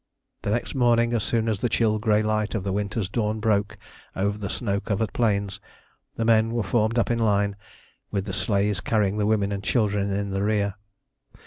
The next morning, as soon as the chill grey light of the winter's dawn broke over the snow covered plains, the men were formed up in line, with the sleighs carrying the women and children in the rear.